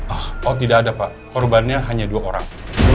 ah oh tidak ada pak korbannya hanya dua orang